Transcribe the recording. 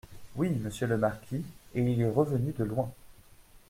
Oui, monsieur le marquis, et il est revenu de loin.